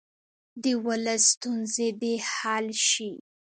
د ولس ستونزې دې حل شي.